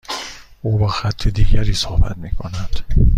او با خط دیگری صحبت میکند.